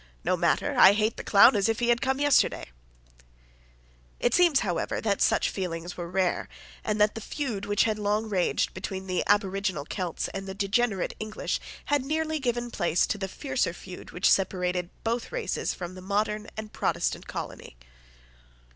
No matter. I hate the clown as if he had come yesterday." It seems, however, that such feelings were rare, and that the feud which had long raged between the aboriginal Celts and the degenerate English had nearly given place to the fiercer feud which separated both races from the modern and Protestant colony.